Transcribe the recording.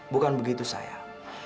bukan begitu sayang